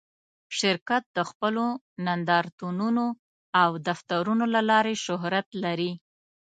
شرکت د خپلو نندارتونونو او دفترونو له لارې شهرت لري.